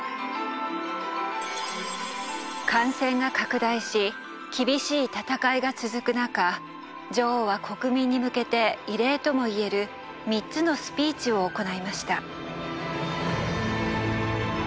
感染が拡大し厳しい闘いが続く中女王は国民に向けて異例とも言える３つのスピーチを行いました。